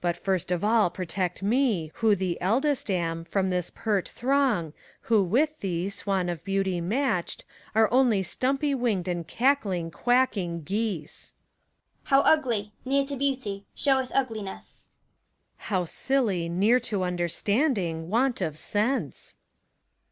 But first of all protect me, who the eldest am, From this pert throng, who with thee. Swan of Beauty matched. Are only stumpy winged and cackling, quacking geese. LEADiat OF THE CHORUS. How ugly, near to Beauty, showeth Ugliness ! PHORKTAS. How silly, near to understanding want of sense!